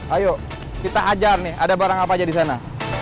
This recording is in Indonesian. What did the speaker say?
ayo kita ajar nih ada barang apa aja disana